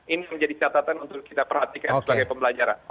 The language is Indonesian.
ini menjadi catatan untuk kita perhatikan sebagai pembelajaran